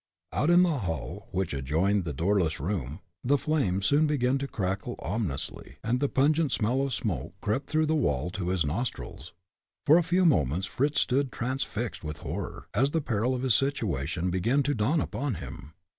Out in the hall, which adjoined the doorless room, the flames soon began to crackle ominously, and the pungent smell of smoke crept through the wall to his nostrils. For a few moments Fritz stood transfixed with horror, as the peril of his situation began to dawn upon him.